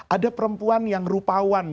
ada perempuan yang rupawan